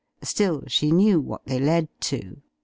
Still, she knew what they led to.